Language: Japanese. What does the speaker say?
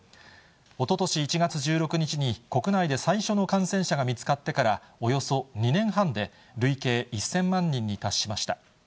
おととし１月１６日に国内で最初の感染者が見つかってからおよそ２年半で、累計１０００万人に達しました。